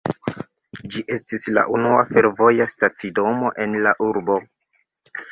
Ĝi estis la unua fervoja stacidomo en la urbo.